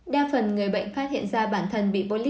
đa phần người bệnh phát hiện ra bản thân bị polip